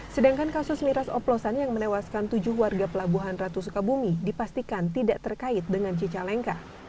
sedangkan kasus miras oplosan yang menewaskan tujuh warga pelabuhan ratu sukabumi dipastikan tidak terkait dengan cicalengka